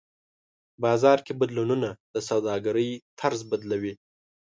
بازار کې بدلونونه د سوداګرۍ طرز بدلوي.